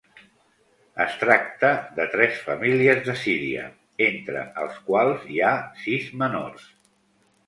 Es tracta de tres famílies de Síria, entre els quals hi ha sis menors.